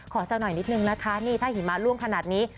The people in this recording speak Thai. แซวหน่อยนิดนึงนะคะนี่ถ้าหิมะล่วงขนาดนี้